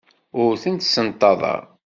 Ur tent-ssenṭaḍeɣ.